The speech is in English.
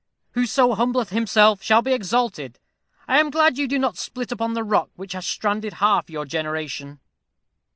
'Whoso humbleth himself, shall be exalted.' I am glad you do not split upon the rock which has stranded half your generation."